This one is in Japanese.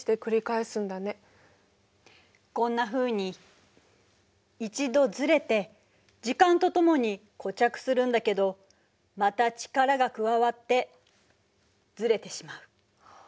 こんなふうに一度ずれて時間とともに固着するんだけどまた力が加わってずれてしまう。